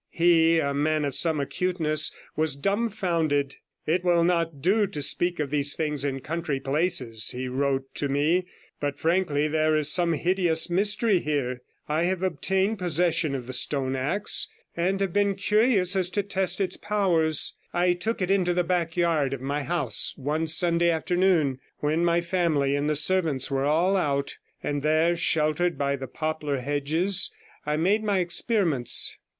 He, a man of some acuteness, was dumbfounded. 'It will not do to speak of these things in country places,' he wrote to me; 'but frankly, there is some hideous mystery here. I have obtained possession of the stone axe, 75 and have been so curious as to test its powers. I took it into the back garden of my house one Sunday afternoon when my family and the servants were all out, and there, sheltered by the poplar hedges, I made my experiments.